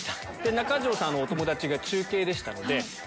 中条さんのお友達が中継でしたので。